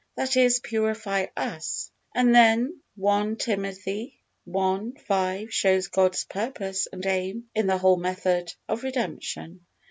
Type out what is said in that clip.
That is, purify us. And then 1 Timothy i. 5 shows God's purpose and aim in the whole method of redemption.